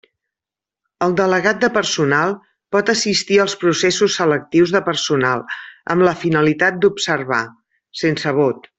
El delegat de personal pot assistir als processos selectius de personal amb la finalitat d'observar, sense vot.